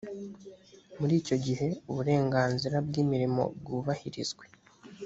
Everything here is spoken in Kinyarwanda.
muri icyo gihe uburenganzira bw imirimo bwubahirizwe